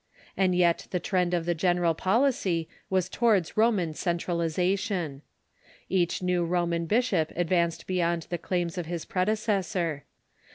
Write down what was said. And yet the trend of the general policy was towards Roman centralization. Each new Roman bishop advanced beyond the claims of his predecessor.